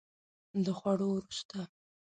د خوړو وروسته